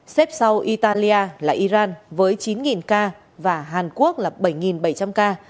xếp sau italia là iran với chín ca và hàn quốc là bảy bảy trăm linh ca